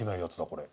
これ。